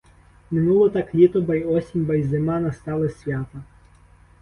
Минуло так літо, ба й осінь, ба й зима, — настали свята.